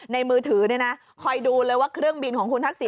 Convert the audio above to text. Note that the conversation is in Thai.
มือถือเนี่ยนะคอยดูเลยว่าเครื่องบินของคุณทักษิณ